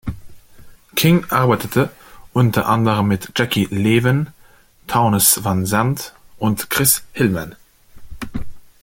King arbeitete unter anderem mit Jackie Leven, Townes Van Zandt und Chris Hillman.